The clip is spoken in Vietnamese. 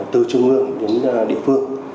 từ trung ương đến địa phương